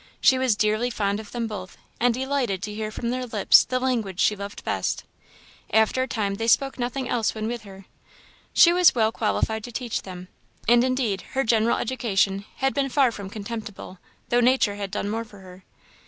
She was dearly fond of them both, and delighted to hear from their lips the language she loved best. After a time they spoke nothing else when with her. She was well qualified to teach them; and, indeed, her general education had been far from contemptible, though nature had done more for her.